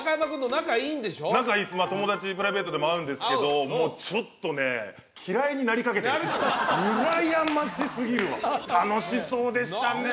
仲いいっす友達プライベートでも会うんですけどもうちょっとね嫌いになりかけてる羨ましすぎるわ楽しそうでしたね